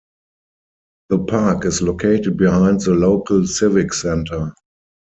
The park is located behind the local Civic Center.